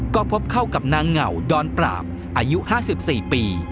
ก็พบเข้ากับนางเหงาดอนปราบอายุ๕๔ปี